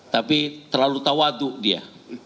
tapi terlalu tawadu dia